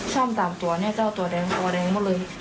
ซ่อม๓ตัวเนี่ยเจ้าตัวแดงตัวแดงหมดเลย